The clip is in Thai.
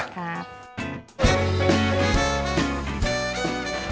ครับ